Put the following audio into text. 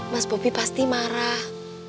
mas bobi pasti marah